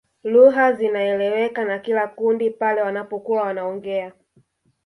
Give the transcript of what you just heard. Lugha zinaeleweka na kila kundi pale wanapokuwa wanaongea